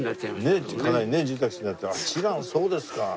そうですね。